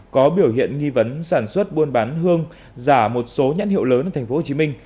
có biểu hiện nghi vấn sản xuất buôn bán hương giả một số nhãn hiệu lớn ở tp hcm